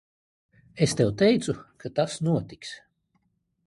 Es tev teicu, ka tas notiks.